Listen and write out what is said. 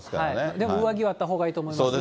でも上着はあったほうがいいと思いますね。